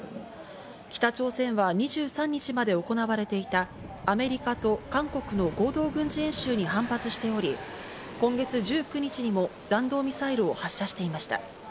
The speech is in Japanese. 北朝鮮は２３日まで行われていたアメリカと韓国の合同軍事演習に反発しており、今月１９日にも弾道ミサイルを発射していました。